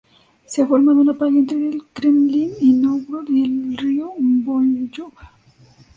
Se ha formado una playa entre el Kremlin de Nóvgorod y el río Vóljov.